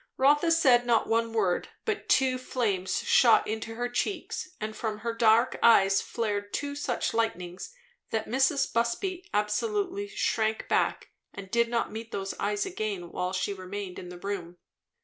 Rotha said not one word, but two flames shot into her cheeks, and from her dark eyes flared two such lightnings, that Mrs. Busby absolutely shrank back, and did not meet those eyes again while she remained in the room.